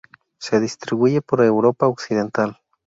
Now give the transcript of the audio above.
Se distribuye por Europa occidental.